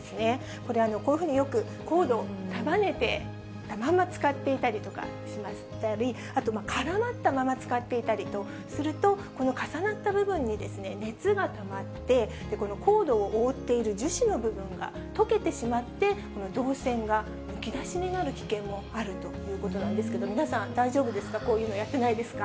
これ、こういうふうによくコード、束ねたまんま使っていたりとかしましたり、あと絡まったまま使っていたりすると、この重なった部分に熱がたまって、このコードを覆っている樹脂の部分が溶けてしまって、導線がむき出しになる危険もあるということなんですけど、皆さん、大丈夫ですか、こういうのやってないですか？